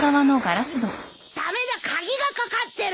駄目だ鍵が掛かってる。